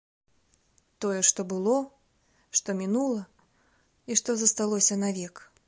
Тое, што было, што мінула і што засталося навек.